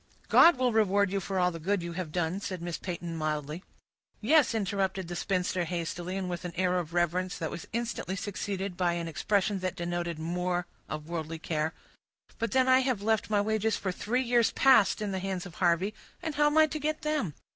"God will reward you for all the good you have done," said Miss Peyton, mildly. "Yes," interrupted the spinster hastily, and with an air of reverence that was instantly succeeded by an expression that denoted more of worldly care; "but then I have left my wages for three years past in the hands of Harvey, and how am I to get them?